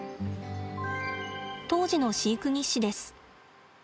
当時の飼育日誌です。